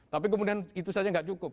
tapi kemudian itu saja tidak cukup